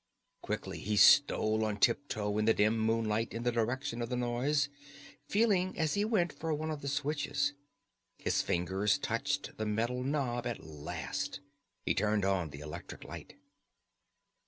Quickly he stole on tiptoe in the dim moonshine in the direction of the noise, feeling as he went for one of the switches. His fingers touched the metal knob at last. He turned on the electric light.